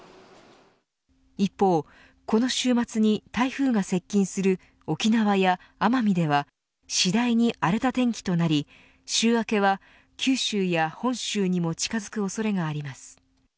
一方、この週末に台風が接近する沖縄や奄美では次第に荒れた天気となり週明けは九州や本州にも近づく恐れがあります。